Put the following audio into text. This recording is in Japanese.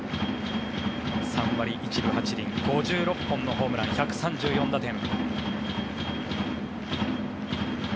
３割１分８厘５６本のホームラン１３４打点。